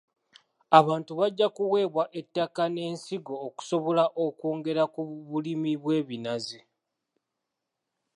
Abantu bajja kuweebwa ettaka n'ensigo okusobola okwongera ku bulimi bw'ebinazi.